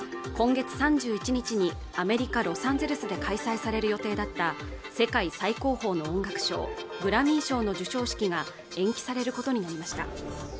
今月３１日にアメリカロサンゼルスで開催される予定だった世界最高峰の音楽賞グラミー賞の授賞式が延期されることになりました